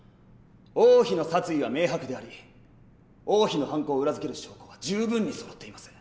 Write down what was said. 王妃の殺意は明白であり王妃の犯行を裏付ける証拠は十分にそろっています。